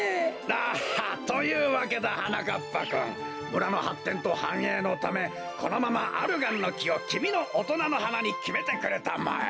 だはっ！というわけだはなかっぱくん村のはってんとはんえいのためこのままアルガンのきをきみのおとなのはなにきめてくれたまえ。